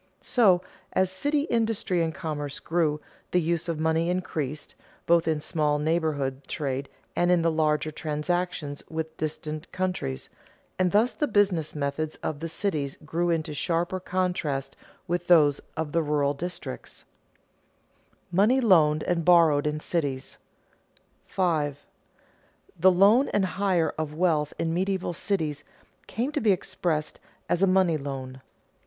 So, as city industry and commerce grew the use of money increased, both in small neighborhood trade and in the larger transactions with distant countries; and thus the business methods of the cities grew into sharper contrast with those of the rural districts. [Sidenote: Money loaned and borrowed in cities] 5. _The loan and hire of wealth in medieval cities came to be expressed as a money loan.